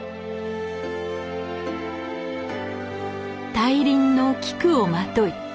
大輪の菊をまとい